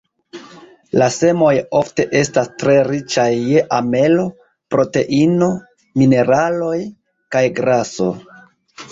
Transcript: La semoj ofte estas tre riĉaj je amelo, proteino, mineraloj kaj graso.